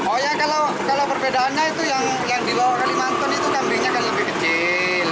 oh ya kalau perbedaannya itu yang di bawah kalimantan itu kambingnya kan lebih kecil